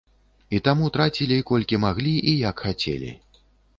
І таму трацілі, колькі маглі і як хацелі.